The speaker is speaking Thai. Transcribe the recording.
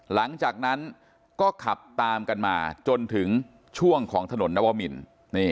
หลังจากนั้นก็ขับตามกันมาจนถึงช่วงของถนนนวมิน